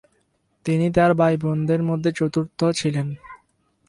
তিনি তার ভাই বোনদের মধ্যে চতুর্থ ছিলেন।